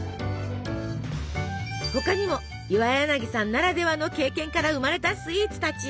他にも岩柳さんならではの経験から生まれたスイーツたち。